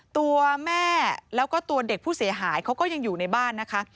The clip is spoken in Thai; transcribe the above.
ตัวแม่แล้วก็ตัวเด็กผู้เสียหายเขาก็ยังอยู่ในบ้านนะคะ